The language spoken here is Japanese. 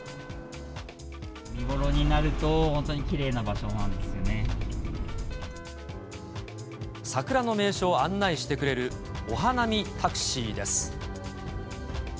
見頃になると、本当にきれい桜の名所を案内してくれるお花見タクシーです。